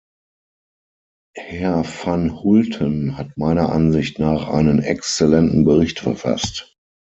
Herr van Hulten hat meiner Ansicht nach einen exzellenten Bericht verfasst.